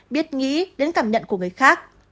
biết nghĩ đến cảm nhận của người khác